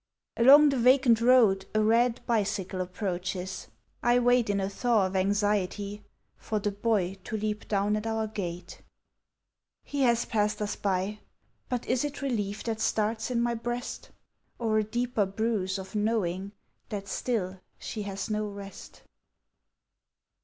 Along the vacant road, a red Bicycle approaches; I wait In a thaw of anxiety, for the boy To leap down at our gate. He has passed us by; but is it Relief that starts in my breast? Or a deeper bruise of knowing that still She has no rest.